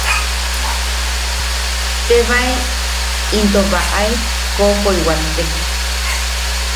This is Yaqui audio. Tebae into baʼae kokotaitek.